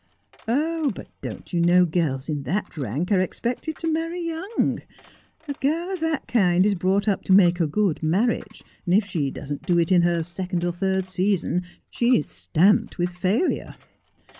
' Oh, but don't you know girls in that rank are expected to marry young ? A girl of that kind is brought up to make a good marriage, and if she doesn't do it in her second or third season she is stamped with failure.